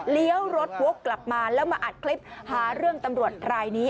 เลี้ยวรถวกกลับมาแล้วมาอัดคลิปหาเรื่องตำรวจรายนี้